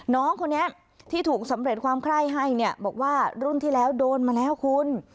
น้องคนนี้ที่ถูกสำเร็จความไคร้ให้เนี่ยบอกว่ารุ่นที่แล้วโดนมาแล้วคุณ